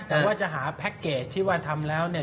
แต่ว่าจะหาแพ็คเกจที่ว่าทำแล้วเนี่ย